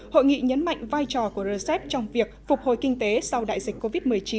hội nghị nhấn mạnh vai trò của rcep trong việc phục hồi kinh tế sau đại dịch covid một mươi chín